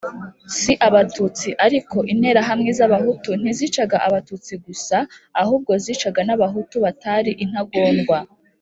si Abatutsi ariko Interahamwe z Abahutu ntizicaga Abatutsi gusa ahubwo zicaga n’Abahutu batari intagondwa